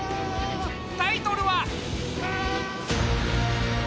タイトルは。